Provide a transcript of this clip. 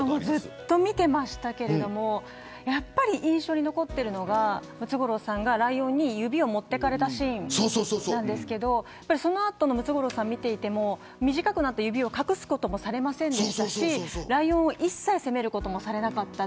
ずっと見てましたけど印象に残っているのがムツゴロウさんがライオンに指を持っていかれたシーンですがその後のムツゴロウさんを見ても短くなった指を隠すこともしなかったですしライオンを責めることも一切されなかった。